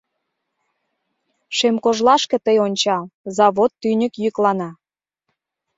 Шем кожлашке тый ончал Завод тӱньык йӱклана.